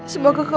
terima kasih pak